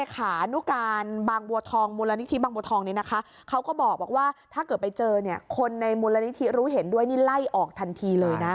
ขานุการบางบัวทองมูลนิธิบางบัวทองนี้นะคะเขาก็บอกว่าถ้าเกิดไปเจอเนี่ยคนในมูลนิธิรู้เห็นด้วยนี่ไล่ออกทันทีเลยนะ